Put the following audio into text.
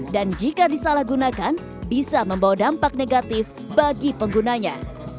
dan jika disalahgunakan bisa membawa dampak negatif bagi penggunanya